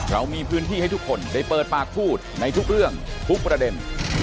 เรามีพื้นที่ให้ทุกคนได้เปิดปากพูดในทุกเรื่องทุกประเด็น